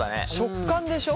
食感でしょ。